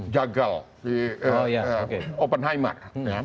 jagal di oppenheimer